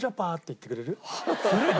古い。